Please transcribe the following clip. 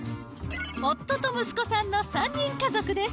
夫と息子さんの３人家族です。